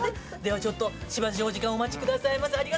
ちょっとしばし、お時間お待ちください。